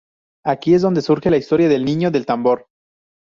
Aquí es donde surge la historia del "Niño del Tambor".